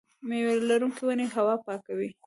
میوه لرونکې ونې هوا پاکوي.